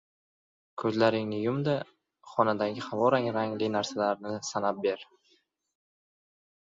– Koʻzlaringni yum-da… xonadagi havorang rangli narsalarni sanab ber!